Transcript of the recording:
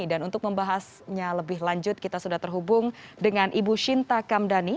dan untuk membahasnya lebih lanjut kita sudah terhubung dengan ibu shinta kamdani